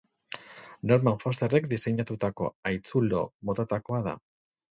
Norman Fosterrek diseinatutako haitzulo motatakoa da.